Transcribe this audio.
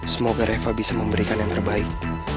semoga reva bisa memberikan yang terbaik